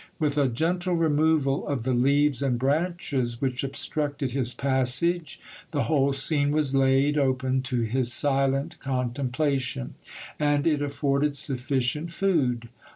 With a gentle removal of the leaves and branches which obstructed his passage, the whole scene was laid open to his silent contempla tion ; and it afforded sufficient food.